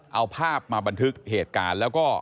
เอาภาพมาบันทึกเหตุการณ์แล้วก็